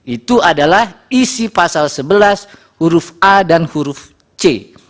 itu adalah isi pasal sebelas huruf a dan huruf c